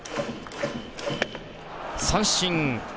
三振。